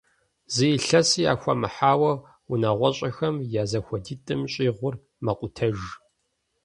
Зы илъэси яхуэмыхьауэ, унагъуэщӀэхэм я зэхуэдитӀым щӀигъур мэкъутэж.